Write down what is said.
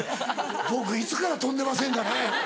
「僕いつから飛んでませんかね」。